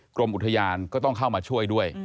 กรมอุทยานก็ต้องเข้ามาช่วยด้วย